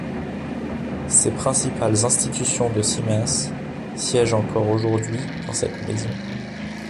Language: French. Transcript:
Ces principales institutions de Siemens siègent encore aujourd'hui dans cette maison.